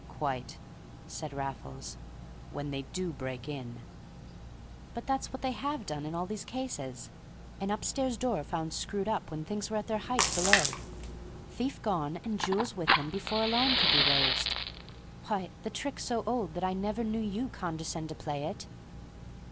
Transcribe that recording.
"Quite," said Raffles—"when they do break in." "But that's what they have done in all these cases. An upstairs door found screwed up, when things were at their height below; thief gone and jewels with him before alarm could be raised. Why, the trick's so old that I never knew you condescend to play it."